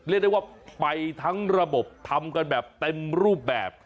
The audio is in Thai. เรียกได้ว่าไปทั้งระบบทำกันแบบเต็มรูปแบบ